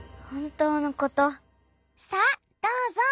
さあどうぞ！